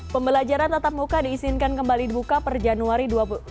pembelajaran tatap muka diizinkan kembali dibuka per januari dua ribu dua puluh